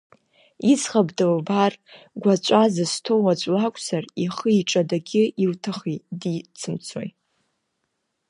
Иӡӷаб дылбар, гәаҵәа зызҭоу аӡә лакәзар ихы-иҿадагьы илҭахи, дицымцои.